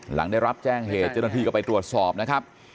หลังได้รับแจ้งเหตุเจ้าหน้าที่ก็ไปตรวจสอบนะครับ